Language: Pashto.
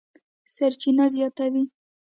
سرچینه زیاتوي